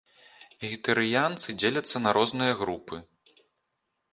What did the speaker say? Вегетарыянцы дзеляцца на розныя групы.